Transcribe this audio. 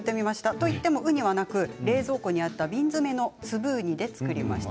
とはいってもウニはなく冷蔵庫にあった瓶詰めの粒ウニで作りました。